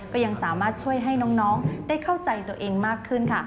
ก็ยังสามารถช่วยให้น้องได้เข้าใจตัวเองมากขึ้นค่ะ